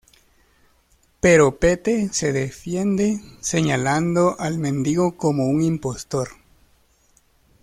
Pero Pete se defiende señalando al mendigo como un impostor.